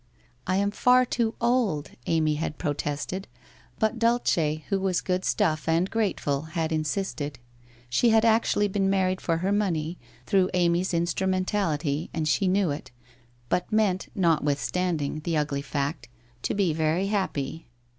* I am far too old,' Amy had protested, but Dulce, who was good stuff and grateful, had insisted. She had actually been married for her money, through Amy's instrumental ity, and she knew it, but meant, notwithstanding the ugly fact, to be very happy.